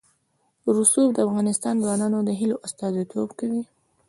رسوب د افغان ځوانانو د هیلو استازیتوب کوي.